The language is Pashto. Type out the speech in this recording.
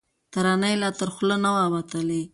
ترانه یې لا تر خوله نه وه وتلې